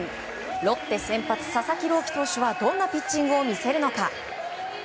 ロッテ先発、佐々木朗希投手はどんなピッチングを見せるのか。